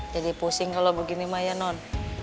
jadi pusing kalau begini maya non